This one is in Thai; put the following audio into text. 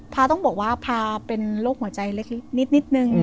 พาต้องบอกว่าพาเป็นโรคหัวใจเล็กนิดนึง